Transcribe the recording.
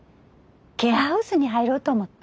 ケアハウスに入ろうと思って。